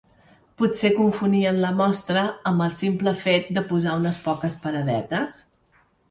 Potser confonien la Mostra amb el simple fet de posar unes poques paradetes…?